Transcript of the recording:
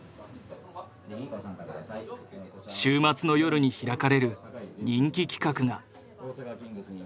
週末の夜に開かれる人気企画が。